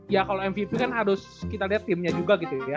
ya kalau mvp kan harus kita lihat timnya juga gitu ya